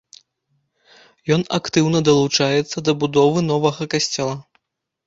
Ён актыўна далучаецца да будовы новага касцёла.